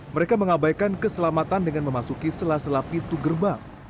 mereka mengabaikan keselamatan dengan memasuki sela sela pintu gerbang